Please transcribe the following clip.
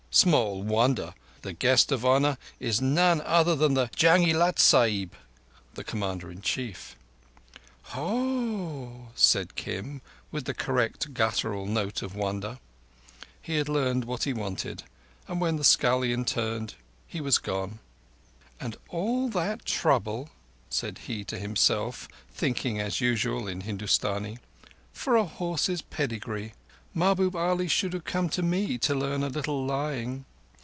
"Small wonder. The guest of honour is none other than the Jang i Lat Sahib [the Commander in Chief]." "Ho!" said Kim, with the correct guttural note of wonder. He had learned what he wanted, and when the scullion turned he was gone. "And all that trouble," said he to himself, thinking as usual in Hindustani, "for a horse's pedigree! Mahbub Ali should have come to me to learn a little lying.